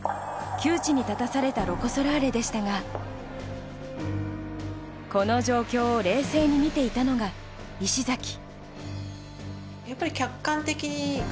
窮地に立たされたロコ・ソラーレでしたがこの状況を冷静に見ていたのが石崎。